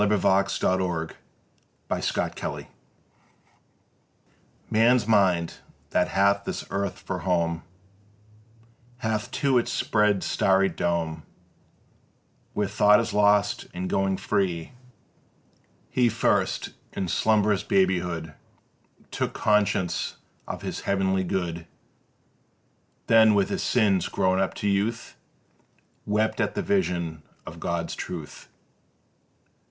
_ THE EXCELLENT WAY Man's mind that hath this earth for home Hath too its far spread starry dome Where thought is lost in going free, Prison'd but by infinity. He first in slumbrous babyhood Took conscience of his heavenly good; Then with his sins grown up to youth Wept at the vision of God's truth.